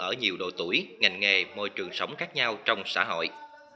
ở nhiều độ tuổi ngành nghề môi trường sống khác nhau trong xã hội